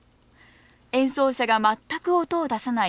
演奏者が全く音を出さない